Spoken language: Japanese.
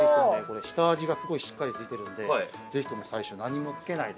下味がすごいしっかり付いてるんでぜひとも最初何もつけないで。